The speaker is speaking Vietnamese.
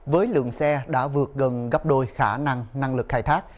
với lượng xe đã vượt gần gấp đôi khả năng năng lực khai thác